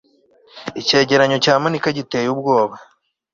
icyegeranyo cya mónica giteye ubwoba